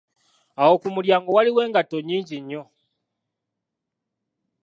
Awo kumulyango waliwo engatto nyinji nnyo.